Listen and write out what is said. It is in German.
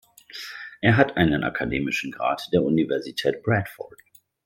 Er hat einen akademischen Grad der Universität Bradford.